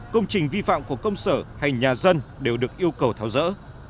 công trình vi phạm của công sở hay nhà dân đều được yêu cầu tháo rỡ